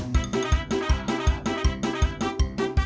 พี่เม่เม่มาแล้วจ้า